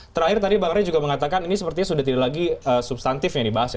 terakhir tadi bang ray juga mengatakan ini sepertinya sudah tidak lagi substantif yang dibahas ya